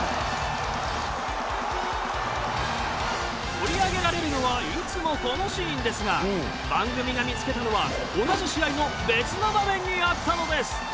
取り上げられるのはいつもこのシーンですが番組が見つけたのは同じ試合の別の場面にあったのです。